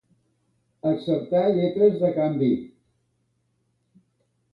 Acceptar lletres de canvi.